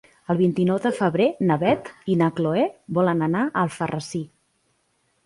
El vint-i-nou de febrer na Beth i na Chloé volen anar a Alfarrasí.